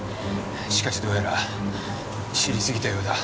しかしどうやら知りすぎたようだ。